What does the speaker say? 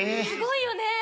すごいよね。